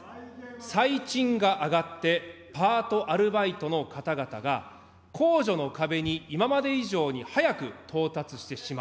最賃が上がって、パート、アルバイトの方々が、控除の壁に今まで以上に早く到達してしまう。